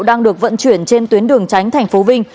đang được vận chuyển trên tuyến đường tránh tp vinh